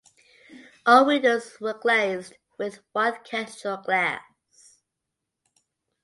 All windows were glazed with white cathedral glass.